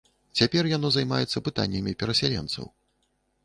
Цяпер яно займаецца пытаннямі перасяленцаў.